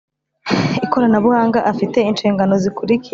Ikoranabuhanga afite inshingano zikurikira